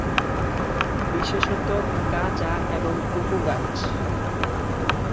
বিশেষত গাঁজা এবং কোকো গাছ।